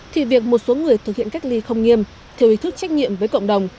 thì việc một số người thực hiện cách ly không nghiêm theo ý thức trách nhiệm với cộng đồng